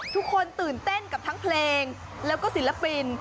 ทุกคนตื่นเต้นกับทั้งเพลงแล้วก็ศิลปิน